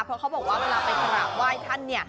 เพราะเขาบอกว่าเวลาไปกราบไหว้ท่านเนี่ย